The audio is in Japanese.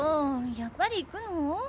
やっぱり行くの？